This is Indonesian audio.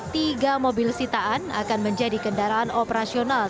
tiga mobil sitaan akan menjadi kendaraan operasional